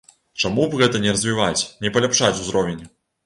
Чаму б гэта не развіваць, не паляпшаць узровень?